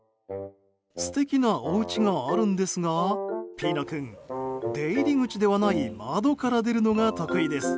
素敵なおうちがあるんですがピノ君出入り口ではない窓から出るのが得意です。